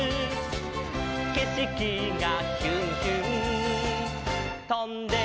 「けしきがヒュンヒュンとんでいく」